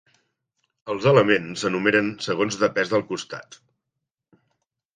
Els elements s'enumeren segons de pes del costat.